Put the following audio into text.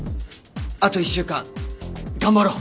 あと１週間頑張ろう。